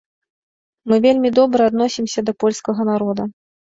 Мы вельмі добра адносімся да польскага народа.